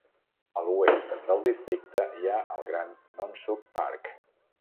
A l'oest del districte hi ha el gran Nonsuch Park.